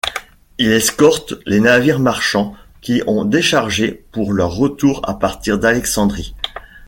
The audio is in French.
Il escorte les navires marchands qui ont déchargé pour leur retour à partir d'Alexandrie.